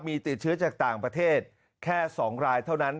มีติดเชื้อจากต่างประเทศแค่๒รายเท่านั้น